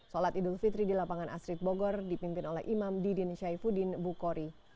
sholat idul fitri di lapangan astrid bogor dipimpin oleh imam didin syaifuddin bukhori